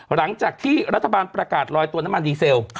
หลังจากที่รัฐบาลประกาศลอยตัวน้ำมันดีเซล